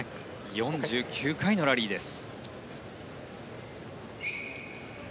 ４９回のラリーです。